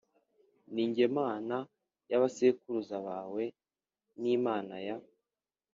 Ni jye Mana ya ba sekuruza bawe n Imana ya